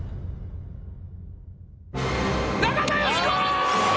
中田喜子！